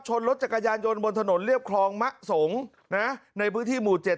รถจักรยานยนต์บนถนนเรียบคลองมะสงนะในพื้นที่หมู่๗